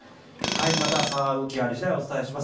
また動きがあり次第お伝えします。